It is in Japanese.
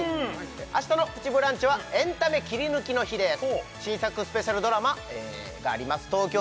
あしたの「プチブランチ」はエンタメキリヌキの日です